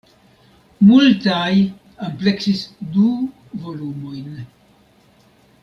Multaj ampleksis du volumojn.